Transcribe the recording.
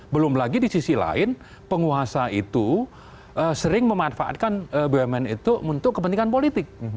belum lagi di sisi lain penguasa itu sering memanfaatkan bumn itu untuk kepentingan politik